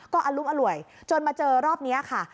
ก็อรุมอร่วยจนมาเจอรอบนี้ค่ะ